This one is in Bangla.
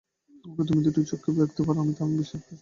ওকে তুমি দুটি চক্ষে দেখতে পার না, তা আমি বেশ বুঝেছি।